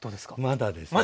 まだですね。